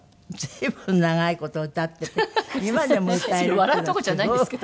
それ笑うとこじゃないんですけど。